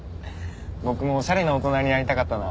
僕もおしゃれな大人になりたかったな。